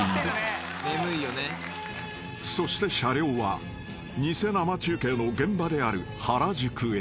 ［そして車両は偽生中継の現場である原宿へ］